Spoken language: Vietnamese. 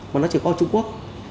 mà nó chỉ có ở trung quốc